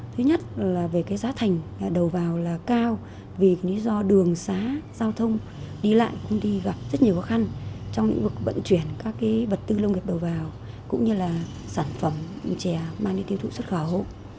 thứ nhất là về cái giá thành đầu vào là cao vì lý do đường xá giao thông đi lại cũng đi gặp rất nhiều khó khăn trong lĩnh vực vận chuyển các vật tư lông nghiệp đầu vào cũng như là sản phẩm chè mang đi tiêu thụ xuất khẩu hộ